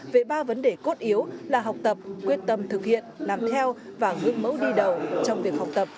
về ba vấn đề cốt yếu là học tập quyết tâm thực hiện làm theo và gương mẫu đi đầu trong việc học tập